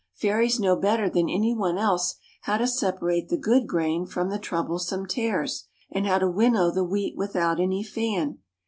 Fairies know better than any one else how to separate the good grain from the troublesome tares, and how to winnow the wheat without any fan.